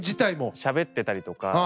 しゃべってたりとか。